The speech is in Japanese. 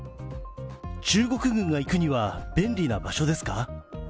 中国軍が行くには便利な場所ですか？